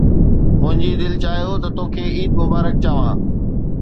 منهنجي دل چاهيو ته توکي عيد مبارڪ چوان.